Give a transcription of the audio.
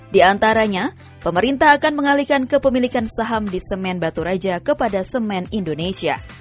di antaranya pemerintah akan mengalihkan kepemilikan saham di semen batu raja kepada semen indonesia